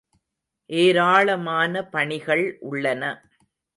ஏராளமான பணிகள் உள்ளன.